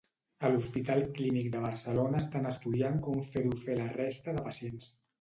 A l'hospital Clínic de Barcelona estan estudiant com fer-ho fer a la resta de pacients.